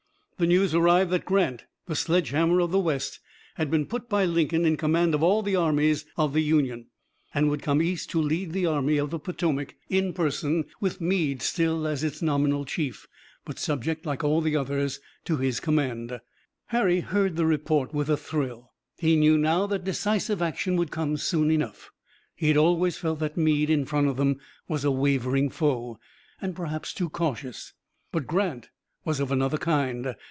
The news arrived that Grant, the Sledge Hammer of the West, had been put by Lincoln in command of all the armies of the Union, and would come east to lead the Army of the Potomac in person, with Meade still as its nominal chief, but subject, like all the others, to his command. Harry heard the report with a thrill. He knew now that decisive action would come soon enough. He had always felt that Meade in front of them was a wavering foe, and perhaps too cautious. But Grant was of another kind.